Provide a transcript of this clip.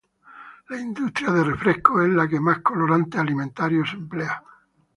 La industria de refrescos es la que más colorantes alimentarios emplea.